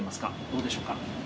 どうでしょうか。